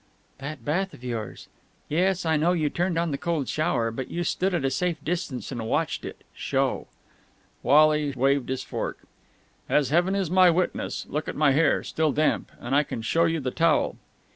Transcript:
"That bath of yours. Yes, I know you turned on the cold shower, but you stood at a safe distance and watched it show!" Wally waved his fork. "As Heaven is my witness.... Look at my hair! Still damp! And I can show you the towel."